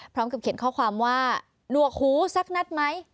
พร้อมกับเขียนข้อความว่าหนวกหูสักนัดไหม